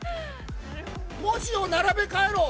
文字を並べ替えろ。